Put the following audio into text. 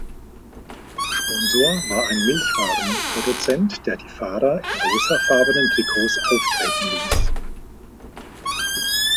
Sponsor war ein Milchwaren-Produzent, der die Fahrer in rosafarbenen Trikots auftreten ließ.